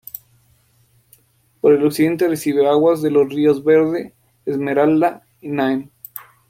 Por el occidente recibe aguas de los ríos Verde, Esmeralda, Naim.